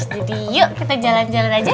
jadi yuk kita jalan jalan aja